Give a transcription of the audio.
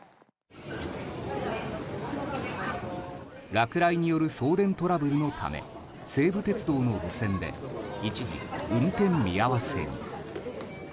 落雷による送電トラブルのため西武鉄道の路線で一時、運転見合わせに。